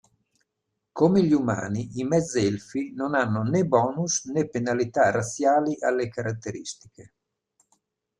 Come gli umani, i mezzelfi non hanno né bonus, né penalità razziali alle caratteristiche.